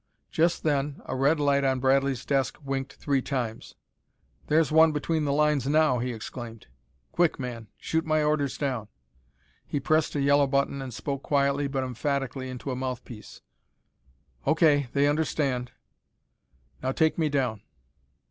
Just then a red light on Bradley's desk winked three times. "There's one between the lines now!" he exclaimed. "Quick, man, shoot my orders down." He pressed a yellow button and spoke quietly but emphatically into a mouth piece. "O.K. They understand." "Now take me down."